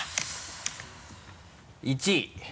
１位。